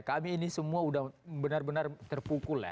kami ini semua udah benar benar terpukul ya